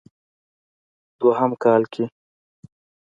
دوهم کال کې